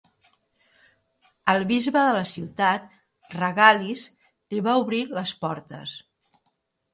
El bisbe de la ciutat, Regalis, li va obrir les portes.